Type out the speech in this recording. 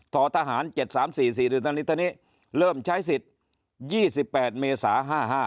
ต่อทหาร๗๓๔๔เริ่มใช้สิทธิ์๒๘เมษา๕๕